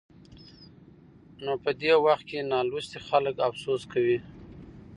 نو په دې وخت کې نالوستي خلک افسوس کوي.